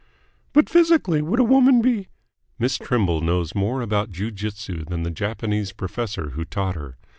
"But physically would a woman be ?" "Miss Trimble knows more about jiu jitsu than the Japanese professor who taught her.